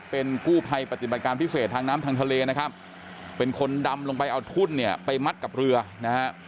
เป็นกู้ภัยปฏิบัติการพิเศษทางน้ำทางทะเลนะครับเป็นคนดำลงไปเอาทุ่นเนี่ยไปมัดกับเรือนะฮะ